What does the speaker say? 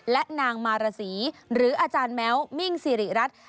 และนางมารสีหรืออาจารย์แม้วมิ่งสิริรัตน์